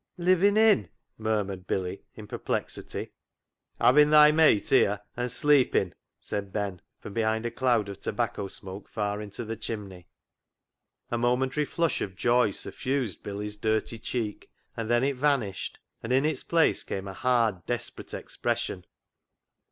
" Livin' in ?" murmured Billy in perplexity. " 'Avin' thy meit here and sleepin'," said Ben from behind a cloud of tobacco smoke far into the chimney. A momentary flush of joy suffused Billy's dirty cheek, and then it vanished, and in its place came a hard, desperate expression.